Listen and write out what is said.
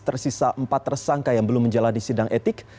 tersisa empat tersangka yang belum menjalani sidang etik